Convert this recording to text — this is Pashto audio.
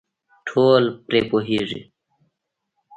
ټول پرې پوهېږي .